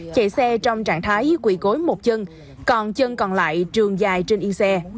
chạy xe trong trạng thái quỷ cối một chân còn chân còn lại trường dài trên yên xe